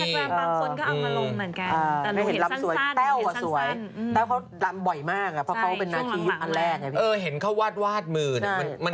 ที่สักร้ำบางคนก็เอามาลงเหมือนกัน